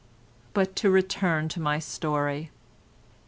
But to return to my story.